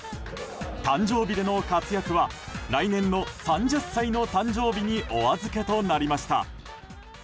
誕生日での活躍は来年の３０歳の誕生日にお預けとなりました。